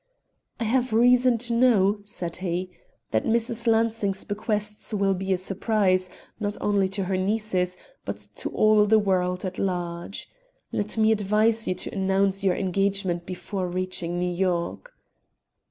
"I have reason to know," said he, "that Mrs. Lansing's bequests will be a surprise, not only to her nieces, but to the world at large. Let me advise you to announce your engagement before reaching New York."